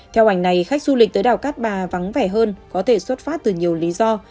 theo ảnh này khách du lịch tới đảo cát bà vắng vẻ hơn có thể xuất phát từ nhiều lý do